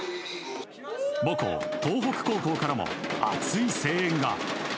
母校・東北高校からも熱い声援が。